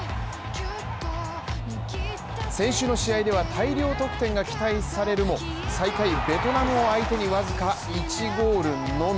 先週の試合では大量得点が期待されるも最下位ベトナムを相手にわずか１ゴールのみ。